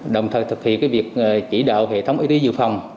đồng thời thực hiện việc chỉ đạo hệ thống y tế dự phòng